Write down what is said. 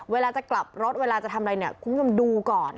เวลาจะกลับรถเวลาจะทำอะไรเนี่ยคุณผู้ชมดูก่อน